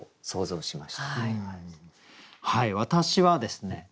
はい私はですね